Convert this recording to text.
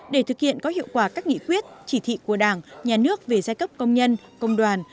để thực hiện có hiệu quả các nghị quyết chỉ thị của đảng nhà nước về giai cấp công nhân công đoàn